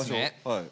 はい。